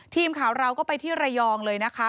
ทีมข่าวเราก็ไปที่ระยองเลยนะคะ